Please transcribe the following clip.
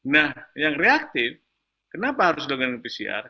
nah yang reaktif kenapa harus dengan pcr